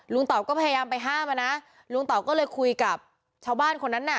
เต่าก็พยายามไปห้ามอ่ะนะลุงเต่าก็เลยคุยกับชาวบ้านคนนั้นน่ะ